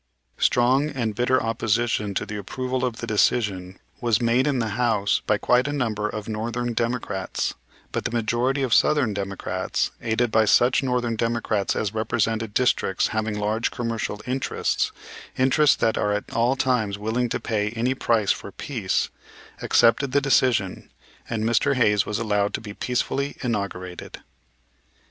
Strong and bitter opposition to the approval of the decision was made in the House by quite a number of northern Democrats, but the majority of southern Democrats, aided by such northern Democrats as represented districts having large commercial interests, interests that are at all times willing to pay any price for peace, accepted the decision, and Mr. Hayes was allowed to be peacefully inaugurated.